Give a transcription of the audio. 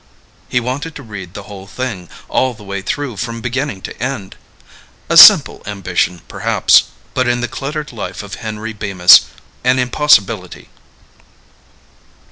He wanted to read the whole thing, all the way through from beginning to end. A simple ambition perhaps, but in the cluttered life of Henry Bemis, an impossibility.